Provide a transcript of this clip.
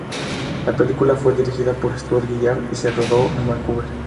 La película fue dirigida por Stuart Gillard y se rodó en Vancouver.